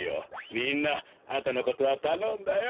みんなあとのことはたのんだよ。